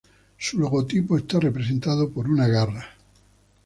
Su logotipo está representado por una garra.